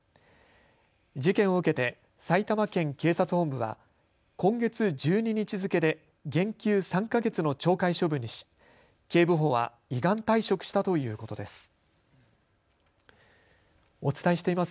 事件を受けて埼玉県警察本部は今月１２日付けで減給３か月の懲戒処分にし警部補は依願退職したということです。